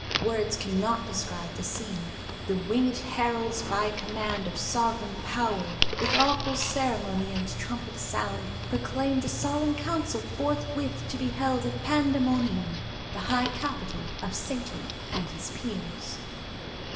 Words cannot describe the scene. "The wingèd heralds by command Of sovereign power, with awful ceremony And trumpet sound, proclaimed A solemn council forthwith to be held At Pandæmonium, the high capital Of Satan and his peers."